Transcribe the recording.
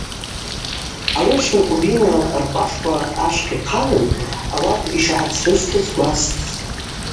Ауи атшын Къвбина ркъвашква ащхъа йхъалын – ауат йшгӏарцрышвтыз гвы асттӏ.